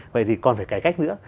vậy thì còn phải cải cách nữa